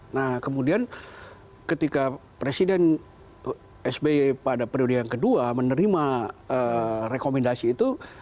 nah kemudian ketika presiden sby pada periode yang kedua menerima rekomendasi itu